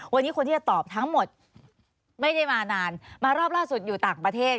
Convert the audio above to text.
วันนี้คนที่จะตอบทั้งหมดไม่ได้มานานมารอบล่าสุดอยู่ต่างประเทศ